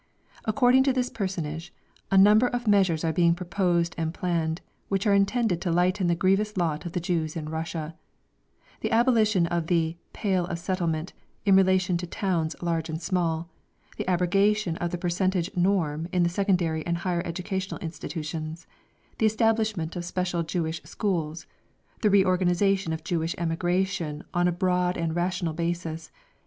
According to this personage, a number of measures are being proposed and planned, which are intended to lighten the grievous lot of the Jews in Russia: the abolition of the "Pale of Settlement" in relation to towns large and small, the abrogation of the percentage "norm" in the secondary and higher educational institutions, the establishment of special Jewish schools, the reorganisation of Jewish emigration on a broad and rational basis.